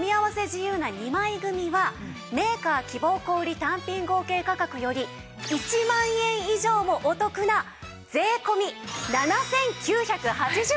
自由な２枚組はメーカー希望小売単品合計価格より１万円以上もお得な税込７９８０円です！